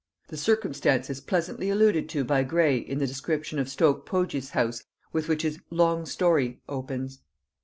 The circumstance is pleasantly alluded to by Gray in the description of Stoke Pogeis house with which his "Long Story" opens.